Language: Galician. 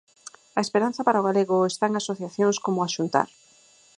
A esperanza para o galego está en asociacións como Axuntar.